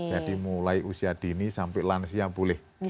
jadi mulai usia dini sampai lansia boleh